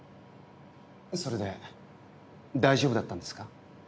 それで大丈夫だったんですか？